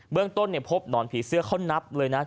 เรื่องต้นพบหนอนผีเสื้อเขานับเลยนะ